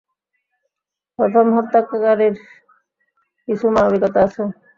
প্রথম হত্যাকারীর কিছু মানবিকতা আছে।